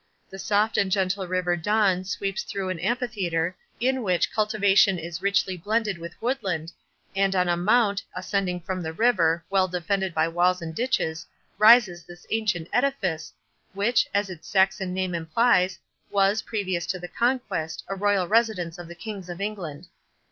The soft and gentle river Don sweeps through an amphitheatre, in which cultivation is richly blended with woodland, and on a mount, ascending from the river, well defended by walls and ditches, rises this ancient edifice, which, as its Saxon name implies, was, previous to the Conquest, a royal residence of the kings of England.